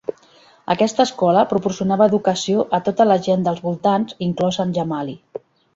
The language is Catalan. Aquesta escola proporcionava educació a tota la gent dels voltants, inclosa Angamali.